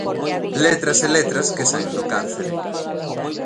Letras e letras que saen do cárcere.